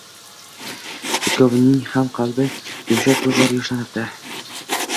Ikkovining ham qalbi yumshab ko`zlari yoshlanibdi